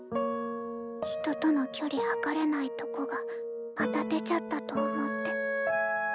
人との距離はかれないとこがまた出ちゃったと思って。